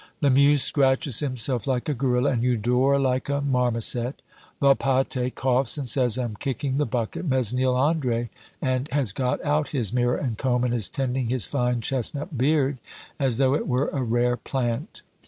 Lamuse scratches himself like a gorilla, and Eudore like a marmoset. Volpatte coughs, and says, "I'm kicking the bucket." Mesnil Andre has got out his mirror and comb and is tending his fine chestnut beard as though it were a rare plant.